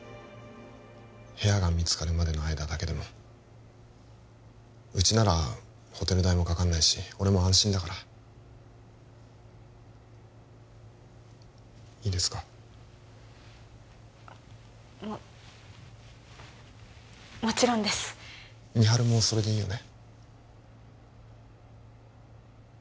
部屋が見つかるまでの間だけでもうちならホテル代もかかんないし俺も安心だからいいですか？ももちろんです美晴もそれでいいよね？